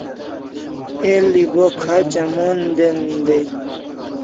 El'i bo khacha mon den dai